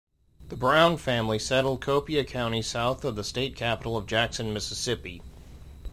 The Brown family settled Copiah County south of the State Capital of Jackson, Mississippi.